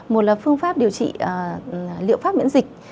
một là phương pháp điều trị liệu pháp miễn dịch